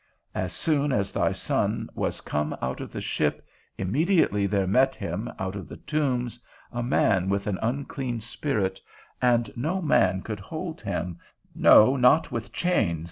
_As soon as thy Son was come out of the ship, immediately there met him, out of the tombs, a man with an unclean spirit, and no man could hold him, no not with chains.